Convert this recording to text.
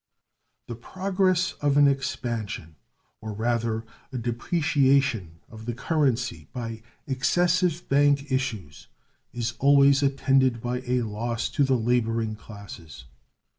The progress of an expansion, or rather a depreciation, of the currency by excessive bank issues is always attended by a loss to the laboring classes.